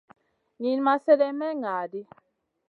Niyn ma slèdeyn may ŋa ɗi.